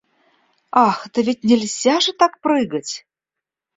Ах, да ведь нельзя же так прыгать!